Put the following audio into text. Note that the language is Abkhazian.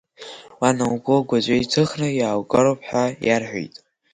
Уан лгәи лгәаҵәеи ҭыхны иааугароуп ҳәа иарҳәеит…